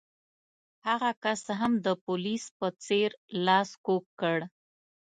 هغه کس هم د پولیس په څېر لاس کوږ کړ.